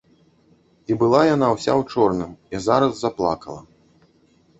І была яна ўся ў чорным і зараз заплакала.